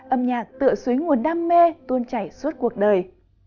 âm nhạc tựa xuối nguồn đam mê tuôn chảy suốt cuộc đời